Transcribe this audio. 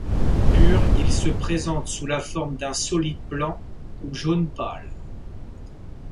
Pur, il se présente sous la forme d'un solide blanc ou jaune pâle.